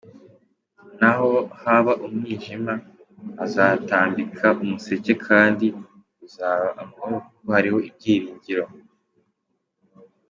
N’aho haba umwijima hazatambika umuseke kandi uzaba amahoro kuko hariho ibyiringiro.